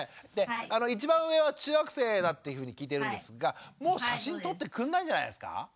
で一番上は中学生だっていうふうに聞いてるんですがもう写真撮ってくんないんじゃないですか？